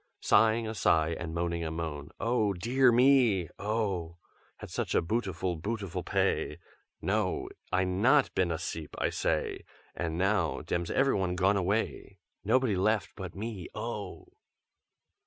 Sighing a sigh and moaning a moan, 'Oh dear me, oh! Had such a bootiful, bootiful p'ay! No! I not been as'eep, I say! And now dem's everyone gone away, Nobody left but me, oh!'"